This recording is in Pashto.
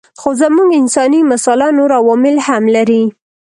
خو زموږ انساني مساله نور عوامل هم لري.